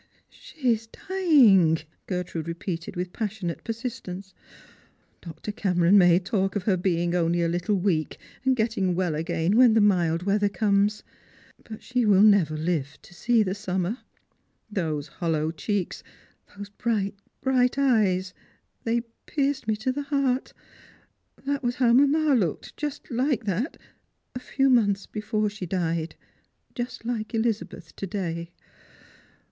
" She is dying!" Gertrude repeated with passionate persist ence. " Dr. Cameron may talk of her being only a little weak, and getting well again when the mild weather comes, but she will never live to see the summer. Those hollow checks, those bright, bi'ight eyes, they pierced me to the heart. That was how mamma looked, just like that, a few months before she died. Just like Elizabeth, to day.